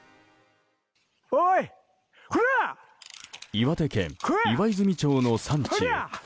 岩手県岩泉町の山中。